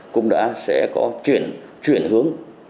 cũng đã sẽ có chuyển hướng